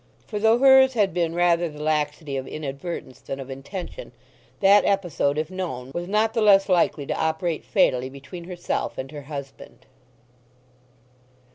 For though hers had been rather the laxity of inadvertence than of intention, that episode, if known, was not the less likely to operate fatally between herself and her husband.